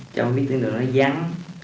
trong miếng tiến đường đó dắn